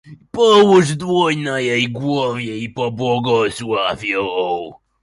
Połóż dłoń na jej głowie i pobłogosław ją.